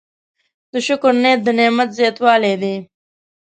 د شکر نیت د نعمت زیاتوالی دی.